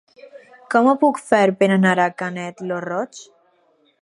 Com ho puc fer per anar a Canet lo Roig?